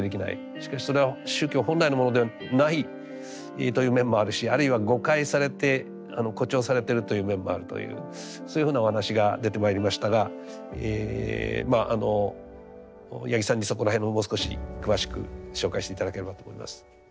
しかしそれは宗教本来のものではないという面もあるしあるいは誤解されて誇張されてるという面もあるというそういうふうなお話が出てまいりましたが八木さんにそこら辺ももう少し詳しく紹介して頂ければと思います。